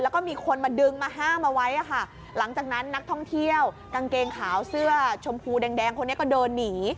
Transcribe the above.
แล้วก็มีคนมาดึงมาห้ามเอาไว้ค่ะหลังจากนั้นนักท่องเที่ยวกางเกงขาวเสื้อชมพูแดงคนนี้ก็เดินหนี